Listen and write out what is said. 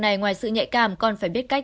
này ngoài sự nhạy cảm còn phải biết cách